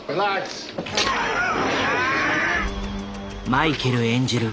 マイケル演じる